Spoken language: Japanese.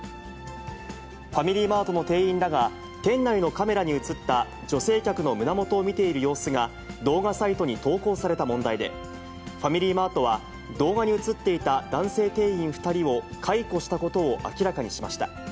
ファミリーマートの店員らが店内のカメラに写った女性客の胸元を見ている様子が、動画サイトに投稿された問題で、ファミリーマートは、動画に映っていた男性店員２人を解雇したことを明らかにしました。